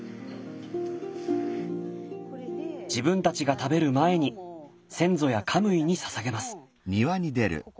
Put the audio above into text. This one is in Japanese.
自分たちが食べる前に先祖やカムイにささげます。